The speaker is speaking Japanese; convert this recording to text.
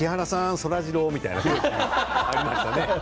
そらジローみたいな雰囲気がありましたね。